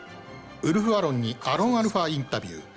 ウルフアロンにアロンアルファインタビュー。